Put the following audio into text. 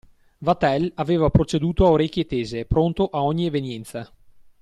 Vatel aveva proceduto a orecchie tese, pronto a ogni evenienza.